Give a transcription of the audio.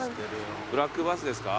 ブラックバスですか？